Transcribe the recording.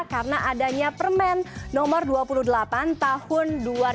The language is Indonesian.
karena adanya permen nomor dua puluh delapan tahun dua ribu lima belas